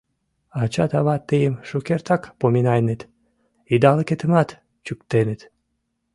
Ачат-ават тыйым шукертак поминаеныт, идалыкетымат чӱктеныт.